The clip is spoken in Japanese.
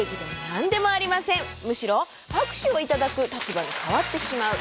むしろ拍手を頂く立場に変わってしまう。